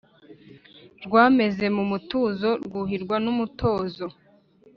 Rwameze mu mutuzo Rwuhirwa n'umutozo.